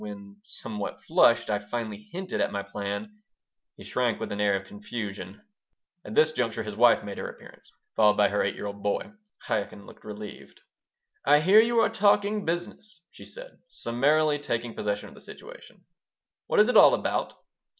When, somewhat flushed, I finally hinted at my plan, he shrank with an air of confusion At this juncture his wife made her appearance, followed by her eight year old boy. Chaikin looked relieved "I hear you are talking business," she said, summarily taking possession of the situation. "What is it all about?"